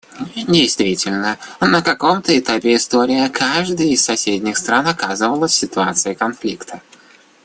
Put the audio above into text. Действительно, на каком-то этапе истории каждая из соседних стран оказывалась в ситуации конфликта.